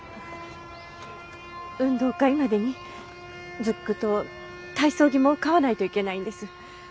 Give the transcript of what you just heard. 運動会までにズックと体操着も買わないといけないんです。